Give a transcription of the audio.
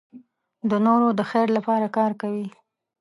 د نورو د خیر لپاره کار کوي.